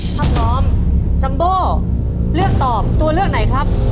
ถ้าพร้อมจัมโบเลือกตอบตัวเลือกไหนครับ